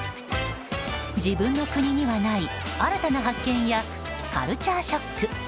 自分の国にはない新たな発見やカルチャーショック。